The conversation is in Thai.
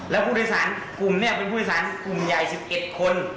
แล้วผู้โดยสารกลุ่มนี้เป็นผู้โดยสารกลุ่มใหญ่๑๑คน